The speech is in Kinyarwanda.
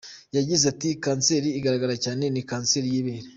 Yagize ati “Kanseri igaragara cyane ni kanseri y’ ibere.